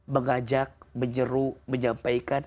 mengajak menyeru menyampaikan